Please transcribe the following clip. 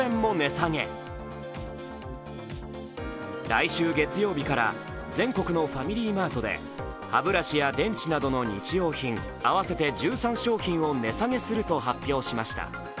来週月曜日から全国のファミリーマートで歯ブラシや電池などの日用品合わせて１３商品を値下げすると発表しました。